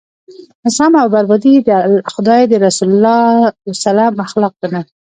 زغم او بردباري یې د خدای د رسول صلی الله علیه وسلم اخلاق ګڼل.